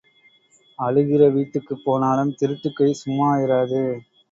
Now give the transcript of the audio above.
அழுகிற வீட்டுக்குப் போனாலும் திருட்டுக் கை சும்மா இராது.